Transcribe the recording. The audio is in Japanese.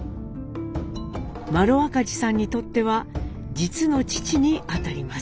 麿赤兒さんにとっては実の父に当たります。